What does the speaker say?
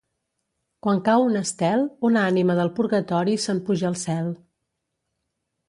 Quan cau un estel una ànima del purgatori se'n puja al cel.